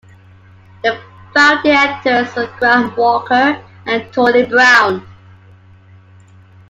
The founding editors were Graham Walker and Tony Brown.